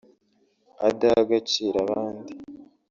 adaha agaciro abandi